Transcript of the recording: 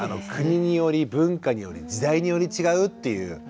国により文化により時代により違うっていう。